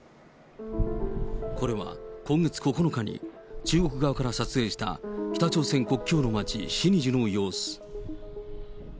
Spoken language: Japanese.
これは今月９日に、中国側から撮影した北朝鮮国境の町、シニジュの様子。